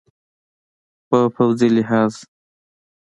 په پوځي لحاظ